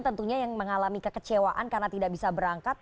tentunya yang mengalami kekecewaan karena tidak bisa berangkat